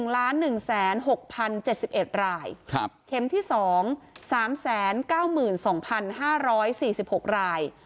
๑๑๐๖๐๗๑รายเข็มที่๒๓๙๒๕๔๖ราย